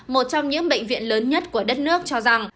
một trong những bệnh viện lớn nhất của đất nước cho rằng